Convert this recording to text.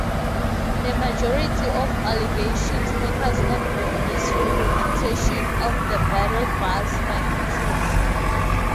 The majority of alligations focus on the mis-representation of the "battle-bus" finances.